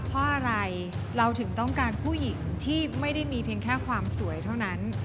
เพราะอะไรเราถึงต้องการผู้หญิงที่ไม่ได้มีเพียงแค่ความสวยเท่านั้น